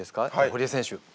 堀江選手。